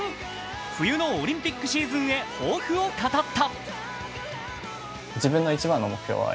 冬のオリンピックシーズンへ抱負を語った。